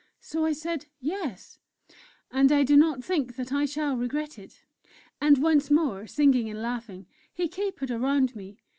So I said, 'Yes,' And I do not think that I shall regret it." And once more, singing and laughing, he capered around me.